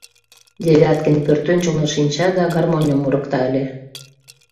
Девяткин пӧртӧнчылнӧ шинча да гармоньым мурыкта ыле.